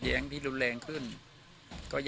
วันนี้ก็จะเป็นสวัสดีครับ